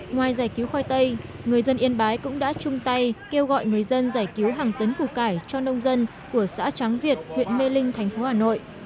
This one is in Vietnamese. ngoài giải cứu khoai tây người dân yên bái cũng đã chung tay kêu gọi người dân giải cứu hàng tấn củ cải cho nông dân của xã tráng việt huyện mê linh thành phố hà nội